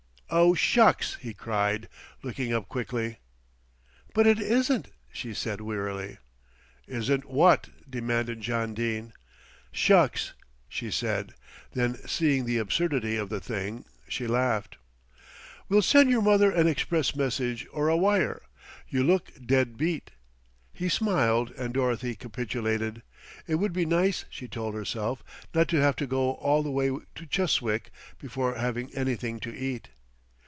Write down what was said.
"Oh shucks!" he cried, looking up quickly. "But it isn't!" she said wearily. "Isn't what?" demanded John Dene. "Shucks!" she said; then, seeing the absurdity of the thing, she laughed. "We'll send your mother an express message or a wire. You look dead beat." He smiled and Dorothy capitulated. It would be nice, she told herself, not to have to go all the way to Chiswick before having anything to eat.